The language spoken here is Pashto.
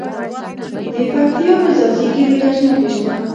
د پکتیا په ځاځي کې د ګچ نښې شته.